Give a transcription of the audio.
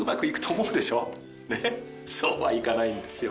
そうはいかないんですよ。